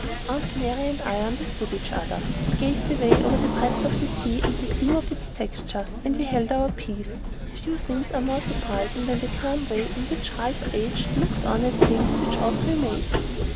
Aunt Mary and I understood one another. We gazed away over the breadth of the sea and the gleam of its texture, and we held our peace. Few things are more surprising than the calm way in which ripe age looks on at things which ought to amaze it.